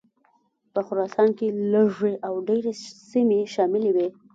په خراسان کې لږې او ډېرې سیمې شاملي وې.